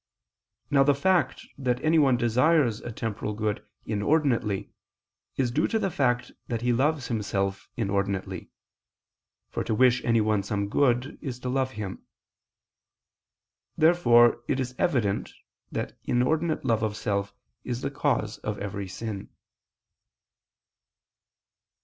Now the fact that anyone desires a temporal good inordinately, is due to the fact that he loves himself inordinately; for to wish anyone some good is to love him. Therefore it is evident that inordinate love of self is the cause of every sin.